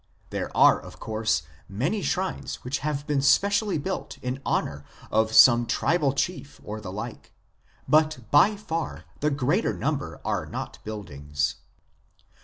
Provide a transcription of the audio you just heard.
There are, of course, many shrines which have been specially built in honour of some tribal chief or the like ; but by far the greater number are not buildings.